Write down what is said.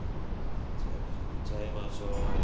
煮ちゃいましょう。